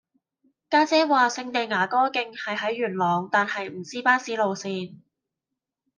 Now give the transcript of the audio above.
家姐話聖地牙哥徑係喺元朗但係唔知巴士路線